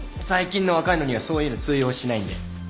最近の若いのにはそういうの通用しないんで。